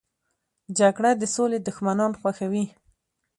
جګړه د سولې دښمنان خوښوي